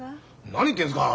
何言ってるんですか。